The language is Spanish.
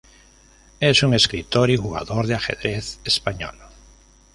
Es un escritor y jugador de ajedrez español.